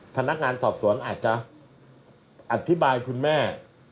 พนักงานสอบสวนอาจจะอธิบายคุณแม่